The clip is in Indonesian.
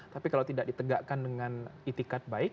tapi kalau tidak ditegakkan dengan itikat baik